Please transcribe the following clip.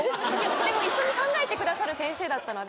でも一緒に考えてくださる先生だったので。